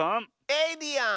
エイリアン！